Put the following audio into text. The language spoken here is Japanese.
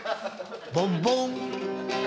ボンボン。